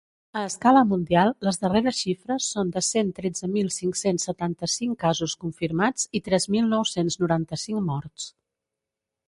A escala mundial les darreres xifres són de cent tretze mil cinc-cents setanta-cinc casos confirmats i tres mil nou-cents noranta-cinc morts.